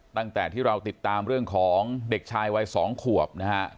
ตั้งแต่ที่เราติดตามเรื่องของเด็กชายวัย๒ขวบนะฮะ